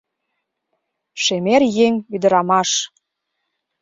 Шемер еҥ Ӱдырамаш